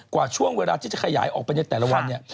กว่าช่วงเวลาที่จะขยายออกไปในแต่ละวันเนี่ย